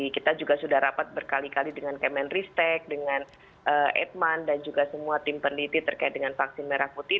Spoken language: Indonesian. kita juga sudah rapat berkali kali dengan kemenristek dengan eidman dan juga semua tim peneliti terkait dengan vaksin merah putih